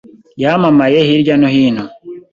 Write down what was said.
yamamaye hirya no hino.